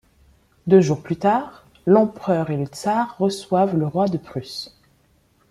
Deux jours plus tard, l'Empereur et le Tsar reçoivent le roi de Prusse.